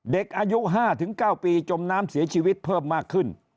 เด็กอายุ๕๙ปีจมน้ำเสียชีวิตเพิ่มมากขึ้น